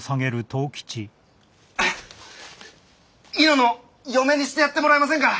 猪之の嫁にしてやってもらえませんか？